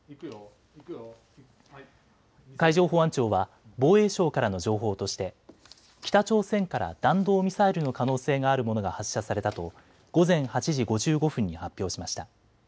海上保安庁は防衛省からの情報として北朝鮮から弾道ミサイルの可能性があるものが発射されたと午前８時５５分に発表しました。